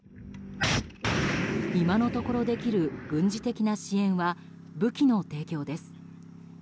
今のところできる軍事的な支援は武器の提供です。